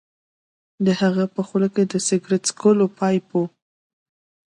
د هغه په خوله کې د سګرټ څکولو پایپ و